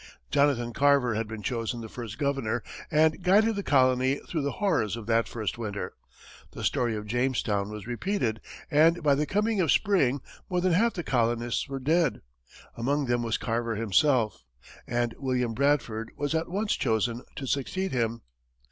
Jonathan Carver had been chosen the first governor and guided the colony through the horrors of that first winter; the story of Jamestown was repeated, and by the coming of spring, more than half the colonists were dead. Among them was Carver himself, and William Bradford was at once chosen to succeed him.